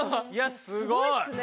すごいっすね。